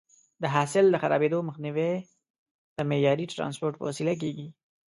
د حاصل د خرابېدو مخنیوی د معیاري ټرانسپورټ په وسیله کېږي.